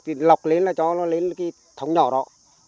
thì lọc lên là cho nó lên cái thóng nhỏ đó